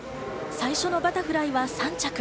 最初のバタフライは３着。